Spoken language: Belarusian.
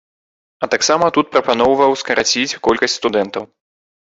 А таксама тут прапаноўваў скараціць колькасць студэнтаў.